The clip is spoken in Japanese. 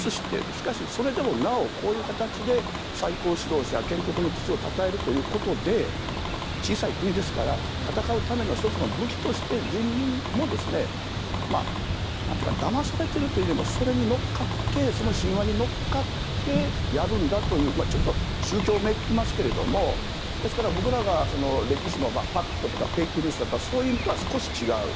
しかしそれでもなおこういう形で最高指導者、建国の父をたたえるということで小さい国ですから戦うための１つの武器として人民もだまされているというよりもその神話に乗っかってやるんだというちょっと宗教めいていますがですから、僕らが歴史のファクトとかフェイクニュースだとかそういう意味とは少し違う。